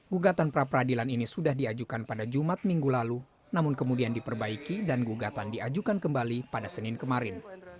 gugatan pra peradilan ini sudah diajukan pada jumat minggu lalu namun kemudian diperbaiki dan gugatan diajukan kembali pada senin kemarin